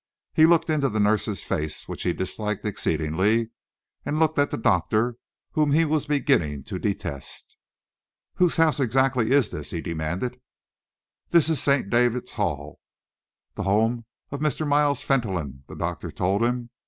He looked into the nurse's face, which he disliked exceedingly, and he looked at the doctor, whom he was beginning to detest. "Whose house exactly is this?" he demanded. "This is St. David's Hall the home of Mr. Miles Fentolin," the doctor told him.